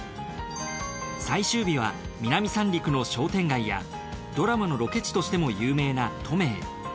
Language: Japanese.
最終日は南三陸の商店街やドラマのロケ地としても有名な登米へ。